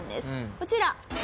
こちら。